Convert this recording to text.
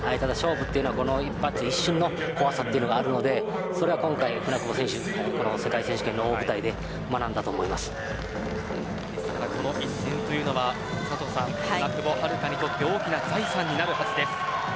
ただ、勝負というのは一瞬の怖さというのがあるので、それを今回、舟久保選手はこの世界選手権の大舞台で恐らくこの一戦は舟久保遥香にとって大きな財産になるはずです。